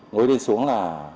ngồi lên xuống là